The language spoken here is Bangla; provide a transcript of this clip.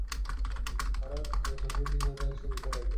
তারা শক্তির তিন-চতুর্থাংশ বৃথা ব্যয় করে।